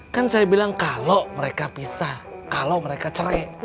kan saya bilang kalo mereka pisah kalo mereka cerai